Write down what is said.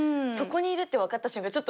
そこにいるって分かった瞬間